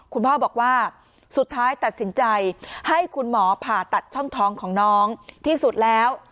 คุณพ่อบอกว่าสุดท้ายตัดสินใจให้คุณหมอผ่าตัดช่องท้องของน้องที่สุดแล้ว